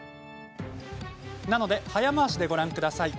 なので、早回しでご覧ください。